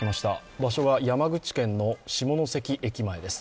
場所は山口県の下関駅前です。